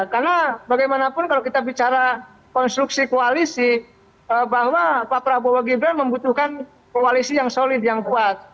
karena bagaimanapun kalau kita bicara konstruksi koalisi bahwa pak prabowo gibran membutuhkan koalisi yang solid yang kuat